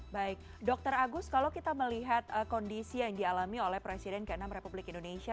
baik dr agus kalau kita melihat kondisi yang dialami oleh presiden ke enam republik indonesia